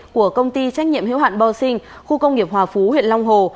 của công ty trách nhiệm hữu hạn bò sinh khu công nghiệp hòa phú huyện long hồ